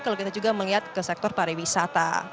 kalau kita juga melihat ke sektor pariwisata